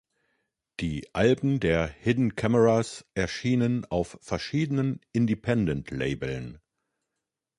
Die Alben der "Hidden Cameras" erschienen auf verschiedenen Independent-Labeln.